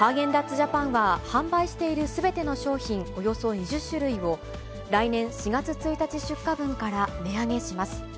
ジャパンは、販売しているすべての商品およそ２０種類を、来年４月１日出荷分から値上げします。